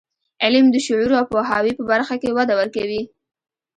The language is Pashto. علم د شعور او پوهاوي په برخه کې وده ورکوي.